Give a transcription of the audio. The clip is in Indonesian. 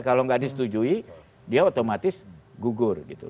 kalau nggak disetujui dia otomatis gugur gitu